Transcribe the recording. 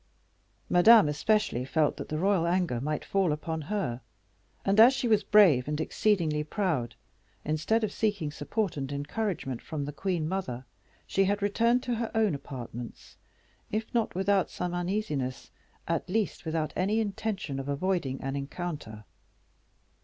Madame, especially, felt that the royal anger might fall upon her, and, as she was brave and exceedingly proud, instead of seeking support and encouragement from the queen mother, she had returned to her own apartments, if not without some uneasiness, at least without any intention of avoiding an encounter.